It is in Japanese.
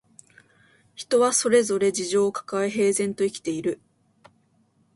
人はそれぞれ事情をかかえ、平然と生きている